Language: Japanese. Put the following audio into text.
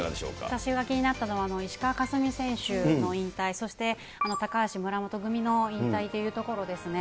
私が気になったのは、石川佳純選手の引退、そして高橋・村元組の引退というところですね。